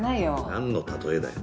なんの例えだよ。